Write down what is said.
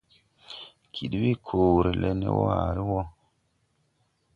Kid we koore le ne waare wo.